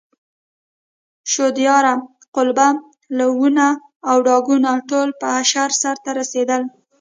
شودیاره، قلبه، لوونه او ډاګونه ټول په اشر سرته رسېدل.